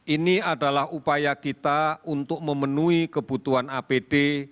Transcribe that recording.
ini adalah upaya kita untuk memenuhi kebutuhan apd